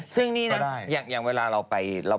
ซึ่งนี่นะอย่างเวลาเราไป